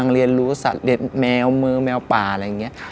เรียนรู้สัตว์เล่มวนแหมวป่าอะไรอย่างนี้